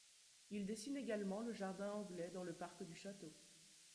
Il dessine également le jardin anglais dans le parc du château.